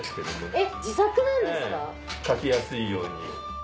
ええ描きやすいように。